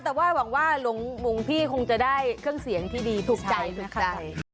แต่ว่าหวังว่าหลวงพี่คงจะได้เครื่องเสียงที่ดีถูกใจถูกใจ